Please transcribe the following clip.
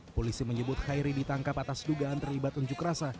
polisi menyebut khairi ditangkap atas dugaan terlibat unjuk rasa